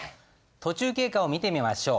途中経過を見てみましょう。